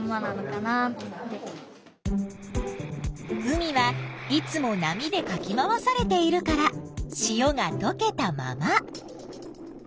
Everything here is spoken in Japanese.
海はいつも波でかき回されているから塩がとけたまま。